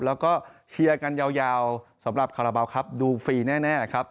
แล้วก็เชียร์กันยาวสำหรับคาราบาลครับดูฟรีแน่ครับ